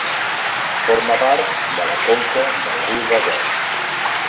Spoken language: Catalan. Forma part de la conca del riu Besòs.